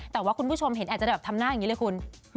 แต่ว่าคุณผู้ชมอยากจะทำหน้าแบบนี้เลยคุณ